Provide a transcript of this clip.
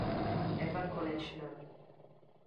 Eva Konečná.